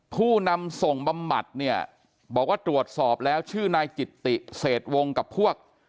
ผู้นำส่งบำบัดเนี่ยบอกว่าตรวจสอบแล้วชื่อนายจิตติเศษวงกับพวก